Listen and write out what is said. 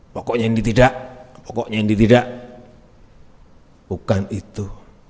pokoknya ini tidak pokoknya ini tidak bukan itu